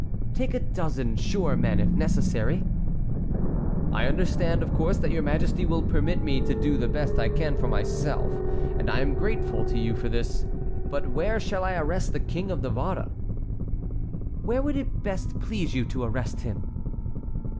"Take a dozen sure men, if necessary." "I understand, of course, that your majesty will permit me to do the best I can for myself, and I am grateful to you for this; but where shall I arrest the King of Navarre?" "Where would it best please you to arrest him?"